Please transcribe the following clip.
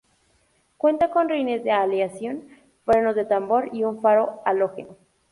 Cuenta con rines de aleación, frenos de tambor y un faro halógeno.